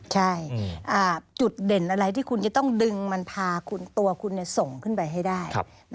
ใช่จุดเด่นอะไรที่คุณจะต้องดึงมันพาตัวคุณส่งขึ้นไปให้ได้